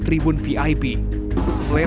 secara sebaliknya dengan iad modifikasi